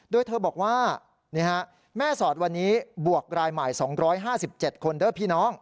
โดยเธอบอกว่าแม่สอดวันนี้บวกรายใหม่๒๕๗คนเด้อพี่น้อง